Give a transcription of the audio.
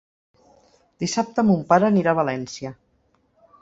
Dissabte mon pare anirà a València.